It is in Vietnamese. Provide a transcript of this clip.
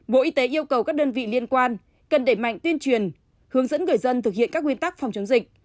bộ y tế yêu cầu các đơn vị liên quan cần đẩy mạnh tuyên truyền hướng dẫn người dân thực hiện các nguyên tắc phòng chống dịch